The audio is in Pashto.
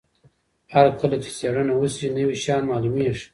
هر کله چې څېړنه وسي نوي شیان معلومیږي.